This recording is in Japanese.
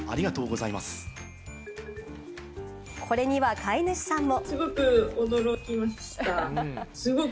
これには飼い主さんも。